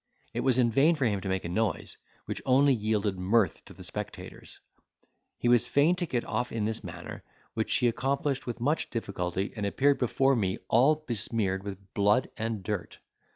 It was in vain for him to make a noise, which only yielded mirth to the spectators; he was fain to get off in this manner, which he accomplished with much difficulty and appeared before me all besmeared with blood and dirt.